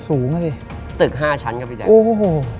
สูงอ่ะดิตึกห้าชั้นครับพี่แจ๊คโอ้โห